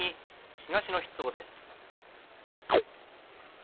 東の筆頭です。